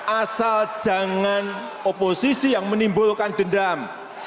asal jangan oposisi yang menimbulkan dendam